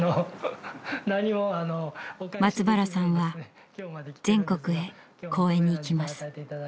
松原さんは全国へ講演に行きます。